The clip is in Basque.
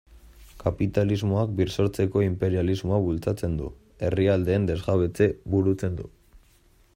Kapitalismoak birsortzeko inperialismoa bultzatzen du, herrialdeen desjabetzea burutzen du...